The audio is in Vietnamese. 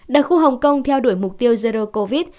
đặc khu hồng kông theo đuổi mục tiêu zero covid